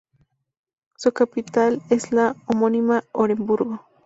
Su capital es la homónima Oremburgo.